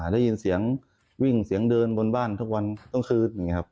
ได้ยินเสียงวิ่งเสียงเดินบนบ้านทุกวันต้องคืน